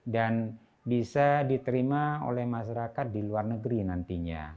dan bisa diterima oleh masyarakat di luar negeri nantinya